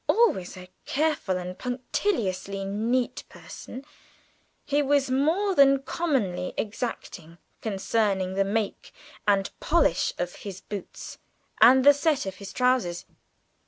Always a careful and punctiliously neat person, he was more than commonly exacting concerning the make and polish of his boots and the set of his trousers.